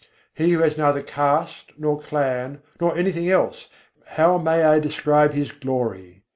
He who has neither caste nor clan nor anything else how may I describe His glory?